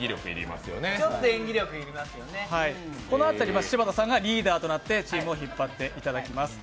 このあたり、柴田さんがリーダーとなってチームを引っ張っていただきます。